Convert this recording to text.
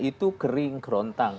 itu kering kerontang